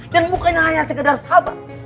dan bukannya hanya sekedar sahabat